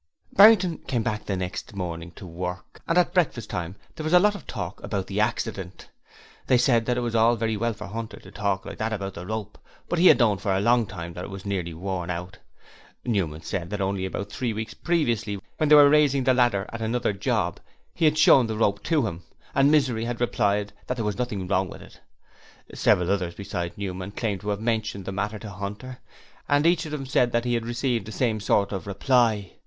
Barrington came back the next morning to work, and at breakfast time there was a lot of talk about the accident. They said that it was all very well for Hunter to talk like that about the rope, but he had known for a long time that it was nearly worn out. Newman said that only about three weeks previously when they were raising a ladder at another job he had shown the rope to him, and Misery had replied that there was nothing wrong with it. Several others besides Newman claimed to have mentioned the matter to Hunter, and each of them said he had received the same sort of reply.